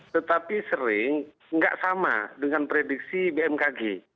tetapi sering nggak sama dengan prediksi bmkg